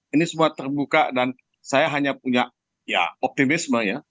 ini semua terbuka dan saya hanya punya ya optimisme ya